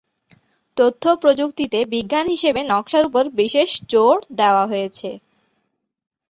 তথ্য প্রযুক্তিতে বিজ্ঞান হিসাবে নকশার উপর বিশেষ জোর দেওয়া হয়েছে।